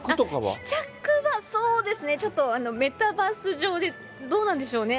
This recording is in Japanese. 試着は、そうですね、ちょっとメタバース上で、どうなんでしょうね。